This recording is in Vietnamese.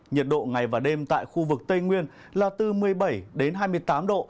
nhiệt độ ngày và đêm tại khu vực tây nguyên là từ một mươi bảy đến hai mươi tám độ